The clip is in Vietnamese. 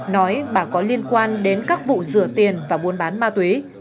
nói bà có liên quan đến các vụ rửa tiền và buôn bán ma túy